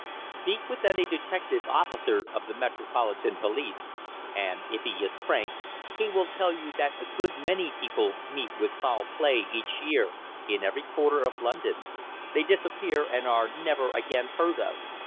Speak with any detective officer of the Metropolitan Police, and, if he is frank, he will tell you that a good many people meet with foul play each year in every quarter of London they disappear and are never again heard of.